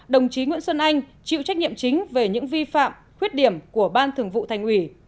đồng chí nguyễn xuân anh chịu trách nhiệm chính về những vi phạm khuyết điểm của ban thường vụ thành ủy